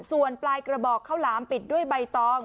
ส่วนปลายกระบอกข้าวหลามปิดด้วยใบตอง